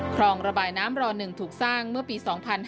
คลองระบายน้ำร๑ถูกสร้างเมื่อปี๒๕๕๙